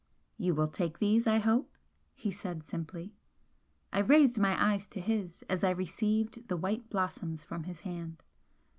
"You will take these, I hope?" he said, simply. I raised my eyes to his as I received the white blossoms from his hand.